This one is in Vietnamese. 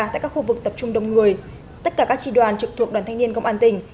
tại các khu vực tập trung đông người tất cả các tri đoàn trực thuộc đoàn thanh niên công an tỉnh